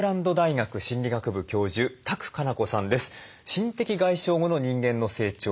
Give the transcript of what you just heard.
心的外傷後の人間の成長